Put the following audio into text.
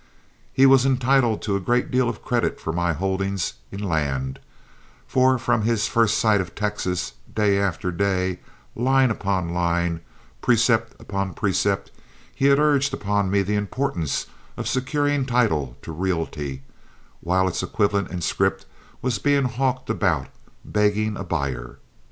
He was entitled to a great deal of credit for my holdings in land, for from his first sight of Texas, day after day, line upon line, precept upon precept, he had urged upon me the importance of securing title to realty, while its equivalent in scrip was being hawked about, begging a buyer.